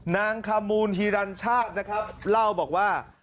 นางคามูลฮิรัญชาปเล่าบอกว่า